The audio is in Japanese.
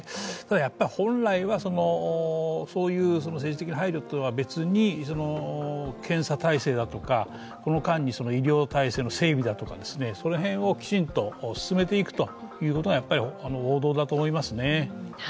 やはり本来は、そういう政治的配慮とは別に検査体制だとか、この間に医療体制の整備だとか、その辺をきちんと進めていくことが王道だと思います。